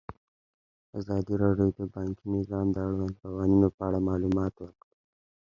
ازادي راډیو د بانکي نظام د اړونده قوانینو په اړه معلومات ورکړي.